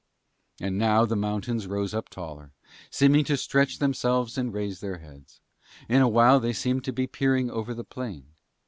And now the mountains rose up taller, seeming to stretch themselves and raise their heads. In a while they seemed to be peering over the plain.